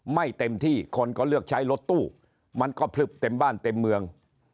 ไม่เต็มที่คนก็เลือกใช้รถตู้มันก็พลึบเต็มบ้านเต็มเมือง